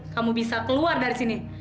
kamu bisa keluar dari sini